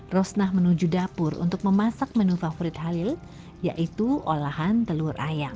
rosnah menuju dapur untuk memasak menu favorit halil yaitu olahan telur ayam